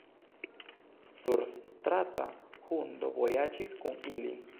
Surstrata hundo vojaĝis kun ili.